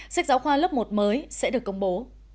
sách giáo khoa lớp một mới sẽ được công bố